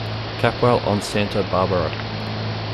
Capwell on "Santa Barbara".